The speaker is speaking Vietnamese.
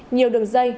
nhiều đường dây